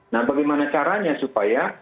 nah bagaimana caranya supaya